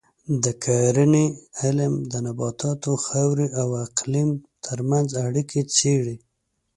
د کرنې علم د نباتاتو، خاورې او اقلیم ترمنځ اړیکې څېړي.